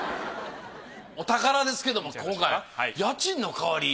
お宝ですけども今回家賃の代わり。